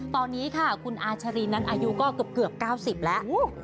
ตอนนี้ค่ะคุณอาชรีนั้นอายุก็เกือบ๙๐แล้ว